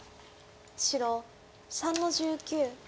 白３の十九。